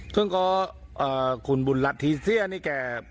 ทุ่งกอคุณบุญรัตน์ทีเสียนี่แก